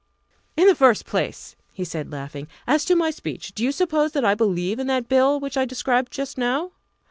"In the first place," he said, laughing, "as to my speech, do you suppose that I believe in that Bill which I described just now?"